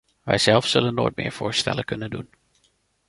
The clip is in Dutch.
Wijzelf zullen nooit meer voorstellen kunnen doen.